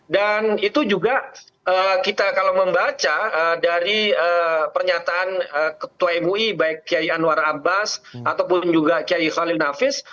dan itu juga kita kalau membaca dari pernyataan ketua mui baik qiyai anwar abbas ataupun juga qiyai khalil nafis